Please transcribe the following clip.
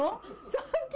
さっき。